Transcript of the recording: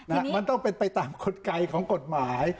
มันต้องเป็นไปตามกลไกของกฎหมาย